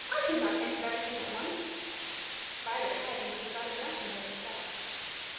I could not think of everything at once." Vibert had, indeed, thought but of himself.